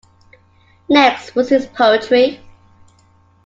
Next was his poetry.